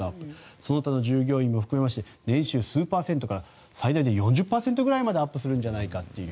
その他の従業員も含めまして年収数パーセントから最大で４０％ぐらいまでアップするんじゃないかという。